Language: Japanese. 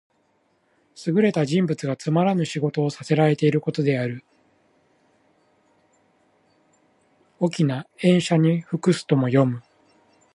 優れた人物がつまらぬ仕事をさせらていることである。「驥、塩車に服す」とも読む。